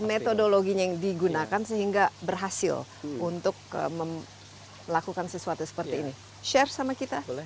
metodologinya yang digunakan sehingga berhasil untuk melakukan sesuatu seperti ini share sama kita